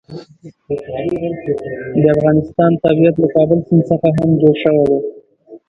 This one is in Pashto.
د افغانستان طبیعت له کابل سیند څخه هم جوړ شوی دی.